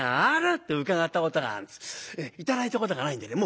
頂いたことがないんでね